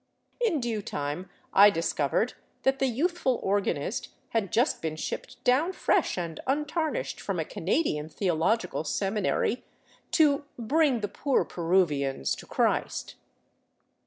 In due time I discovered that the youthful organist had just been shipped down fresh and untarnished from a Canadian theological seminary, to " bring the poor Peruvians to Christ."